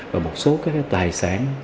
và một số các tài sản